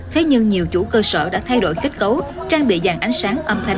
thế nhưng nhiều chủ cơ sở đã thay đổi kết cấu trang bị dàn ánh sáng âm thanh